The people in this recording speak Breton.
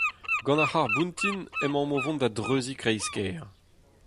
Gant ar c'harr-boutin emaomp o vont da dreuziñ kreiz-kêr.